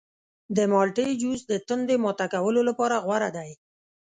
د مالټې جوس د تندې ماته کولو لپاره غوره دی.